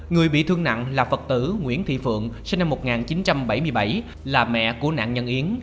người bị thương nặng là phật tử nguyễn thị phượng sinh năm một nghìn chín trăm bảy mươi bảy là mẹ của nạn nhân yến